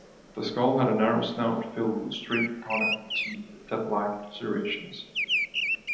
The skull had a narrow snout filled with straight conical teeth that lacked serrations.